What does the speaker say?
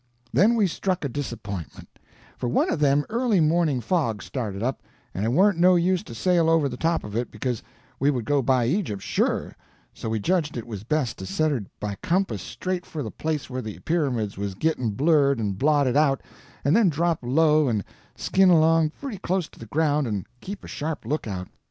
Then we struck a disappointment, for one of them early morning fogs started up, and it warn't no use to sail over the top of it, because we would go by Egypt, sure, so we judged it was best to set her by compass straight for the place where the pyramids was gitting blurred and blotted out, and then drop low and skin along pretty close to the ground and keep a sharp lookout.